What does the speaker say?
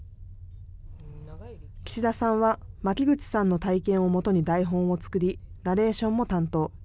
岸田さんは、巻口さんの体験をもとに台本を作り、ナレーションも担当。